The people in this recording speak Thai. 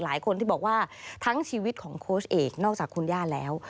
หลายคนที่บอกว่าทั้งชีวิตของโค้ชเอกนอกจากคุณย่าแล้ว